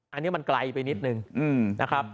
อันนี้มันไกลไปนิดนึงนะครับ